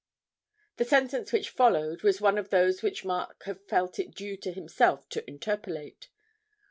The sentence which followed was one of those which Mark had felt it due to himself to interpolate.